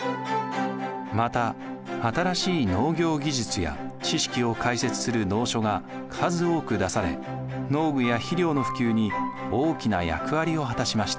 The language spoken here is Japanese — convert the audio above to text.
また新しい農業技術や知識を解説する農書が数多く出され農具や肥料の普及に大きな役割を果たしました。